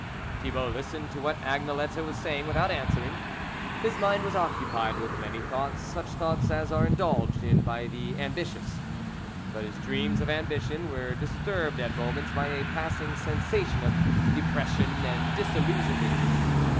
Thibault listened to what Agnelette was 26 THE WOLF LEADER saying without answering ; his mind was occupied with many thoughts, such thoughts as are indulged in by the am bitious ; but his dreams of ambition were disturbed at moments by a passing sensa tion of depression and disillusionment.